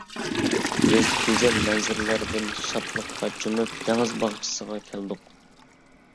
بىز گۈزەل مەنزىرىلەردىن شادلىققا چۆمۈپ دېڭىز باغچىسىغا كەلدۇق.